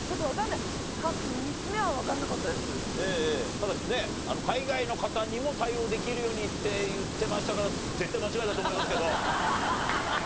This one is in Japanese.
ただね海外の方にも対応できるようにって言ってましたから絶対間違いだと思いますけど。